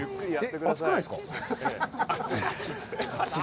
熱くないですか？